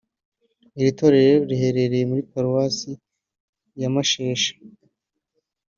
Iri torero riherereye muri Paruwasi ya Mashesha